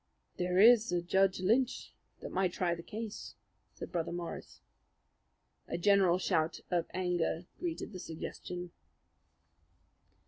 "There is a Judge Lynch that might try the case," said Brother Morris. A general shout of anger greeted the suggestion.